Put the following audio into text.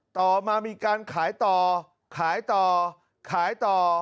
ต่อมามีการขายต่อขายต่อขายต่อ